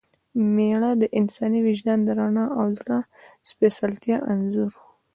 میره – د انساني وجدان رڼا او د زړه د سپېڅلتیا انځور